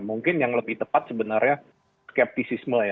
mungkin yang lebih tepat sebenarnya skeptisisme ya